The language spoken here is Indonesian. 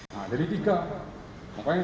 nah jadi tiga